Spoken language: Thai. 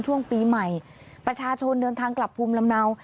ช่วงปีใหม่ประชาชนเดินทางกลับภูมิลำเนา